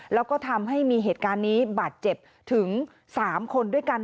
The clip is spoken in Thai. แล้วก็ทำให้มีเหตุการณ์นี้บาดเจ็บถึง๓คนด้วยกัน